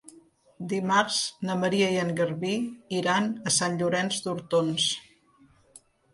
Dimarts na Maria i en Garbí iran a Sant Llorenç d'Hortons.